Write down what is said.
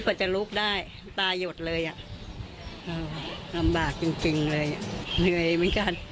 พอจะลุกได้ตายหยดเลยอ่ะอ๋อลำบากจริงจริงเลยอ่ะเหนื่อยเหมือนกัน